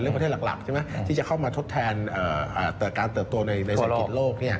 เป็นเรื่องประเทศหลักใช่ไหมที่จะเข้ามาทดแทนการเติบตัวในศักดิ์กิจโลก